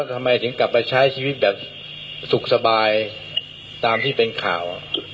ทำไมถึงกลับมาใช้ชีวิตแบบสุขสบายตามที่เป็นข่าว